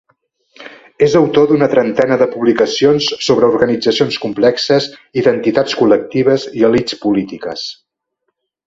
És autor d'una trentena de publicacions sobre organitzacions complexes, identitats col·lectives, i elits polítiques.